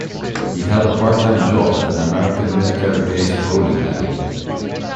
He held a part-time job at an American military base bowling alley.